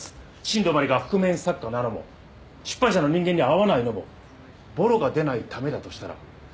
新道真理が覆面作家なのも出版社の人間に会わないのもボロが出ないためだとしたら。